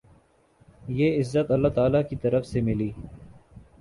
یہ عزت اللہ تعالی کی طرف سے ملی۔